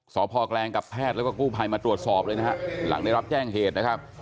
สพแกลงกับแพทย์แล้วก็กู้ภัยมาตรวจสอบเลยนะฮะหลังได้รับแจ้งเหตุนะครับ